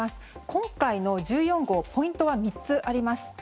今回の１４号ポイントは３つあります。